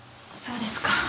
そうですか。